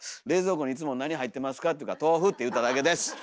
「冷蔵庫にいつも何入ってますか？」って言うから豆腐って言っただけです！